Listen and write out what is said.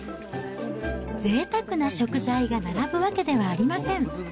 ぜいたくな食材が並ぶわけではありません。